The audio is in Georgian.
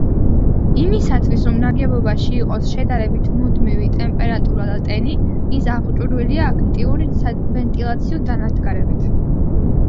იმისათვის, რომ ნაგებობაში იყოს შედარებით მუდმივი ტემპერატურა და ტენი, ის აღჭურვილია აქტიური სავენტილაციო დანადგარებით.